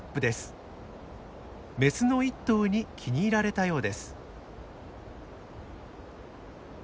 メスの１頭に気に入られたようです。